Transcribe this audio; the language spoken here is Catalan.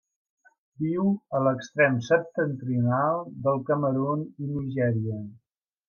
Viu a l'extrem septentrional del Camerun i Nigèria.